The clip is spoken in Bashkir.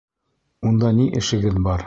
Унда ни эшегеҙ бар?!